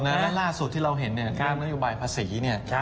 แล้วล่าสุดที่เราเห็นเนี่ยเรื่องนโยบายภาษีเนี่ย